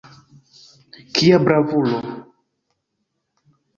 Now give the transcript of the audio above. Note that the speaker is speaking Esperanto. Kia bravulo!